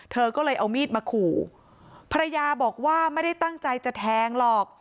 เธอก็เลยเอามีดมาขู่ภรรยาบอกว่าไม่ได้ตั้งใจจะแทงหรอก